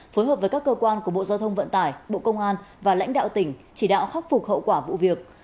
phối hợp với các cơ quan của bộ giao thông vận tải bộ công an và lãnh đạo tỉnh chỉ đạo khắc phục hậu quả vụ việc